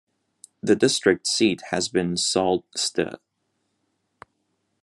The district seat has been Sault Ste.